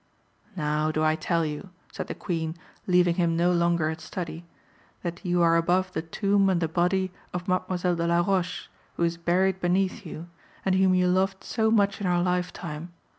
"Now, do I tell you," said the Queen, leaving him no longer at study, "that you are above the tomb and the body of Mademoiselle de la Roche, who is buried beneath you, and whom you loved so much in her lifetime.